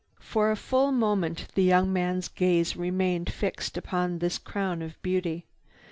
For a full moment the young man's gaze remained fixed upon this crown of beauty.